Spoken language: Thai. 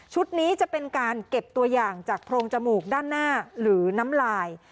นี้จะเป็นการเก็บตัวอย่างจากโพรงจมูกด้านหน้าหรือน้ำลาย